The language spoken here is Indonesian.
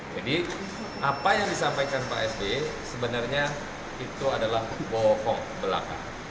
jadi apa yang disampaikan pak sby sebenarnya itu adalah bohong belakang